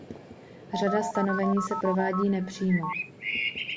Řada stanovení se provádí nepřímo.